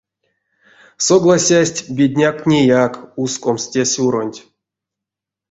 Согласясть бедняктнеяк ускомс те сюронть.